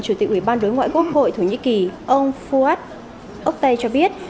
chủ tịch ủy ban đối ngoại quốc hội thổ nhĩ kỳ ông fuad oktay cho biết